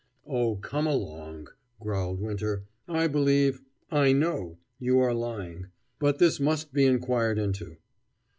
"Oh, come along," growled Winter. "I believe, I know, you are lying, but this must be inquired into."